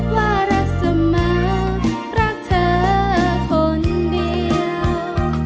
ว่ารักเสมอรักเธอคนเดียว